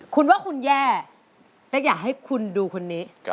คุณว่าคุณแย่เป๊กอยากให้คุณดูคนนี้